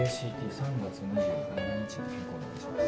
３月２７日に変更お願いします